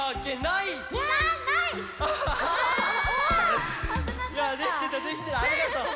いやできてたできてたありがとう。